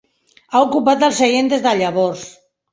Ha ocupat el seient des de llavors.